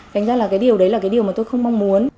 thành ra là cái điều đấy là cái điều mà tôi không mong muốn